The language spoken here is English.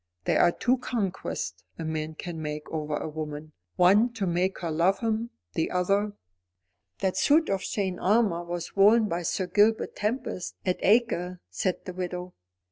There are two conquests a man can make over a woman, one to make her love him, the other " "That suit of chain armour was worn by Sir Gilbert Tempest at Acre," said the widow.